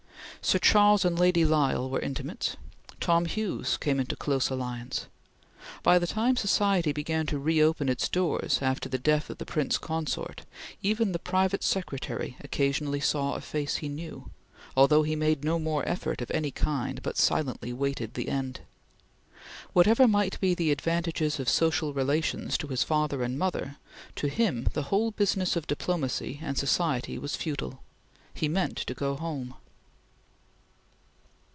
Sir Charles and Lady Lyell were intimates. Tom Hughes came into close alliance. By the time society began to reopen its doors after the death of the Prince Consort, even the private secretary occasionally saw a face he knew, although he made no more effort of any kind, but silently waited the end. Whatever might be the advantages of social relations to his father and mother, to him the whole business of diplomacy and society was futile. He meant to go home.